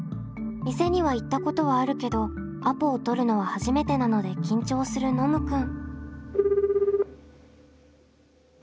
店には行ったことはあるけどアポを取るのは初めてなので緊張するノムくん。